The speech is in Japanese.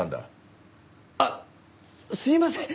あっすいません！